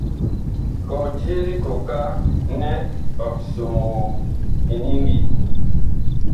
Kɔtye likooka nɛ ɔg somoo liniŋgi.